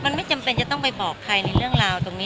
มันไม่จำเป็นจะต้องไปบอกใครในเรื่องราวตรงนี้